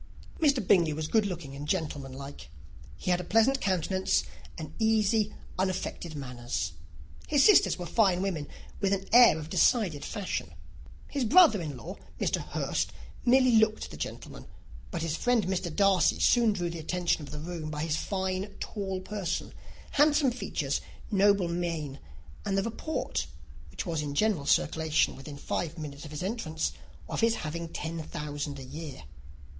Mr. Bingley was good looking and gentlemanlike: he had a pleasant countenance, and easy, unaffected manners. His sisters were fine women, with an air of decided fashion. His brother in law, Mr. Hurst, merely looked the gentleman; but his friend Mr. Darcy soon drew the attention of the room by his fine, tall person, handsome features, noble mien, and the report, which was in general circulation within five minutes after his entrance, of his having ten thousand a year.